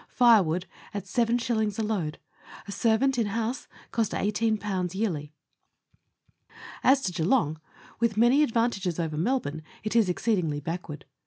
Firewood, at 7s. a load. A servant in house cost 18 yearly. As to Geelong with many advantages over Melbourne, it is exceedingly backward.